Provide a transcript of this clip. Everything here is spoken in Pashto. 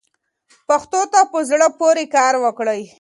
پښتو ته په زړه پورې کار وکړئ.